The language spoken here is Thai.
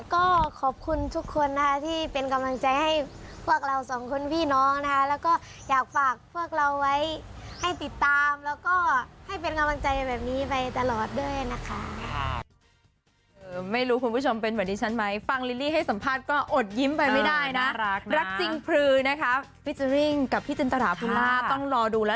ก็ขอบคุณทุกคนนะคะที่เป็นกำลังใจให้พวกเราสองคุณพี่น้องนะคะ